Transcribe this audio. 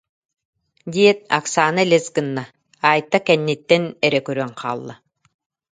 диэт, Оксана элэс гынна, Айта кэнниттэн эрэ көрөн хаалла